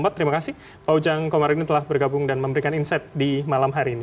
terima kasih pak ujang komarudin telah bergabung dan memberikan insight di malam hari ini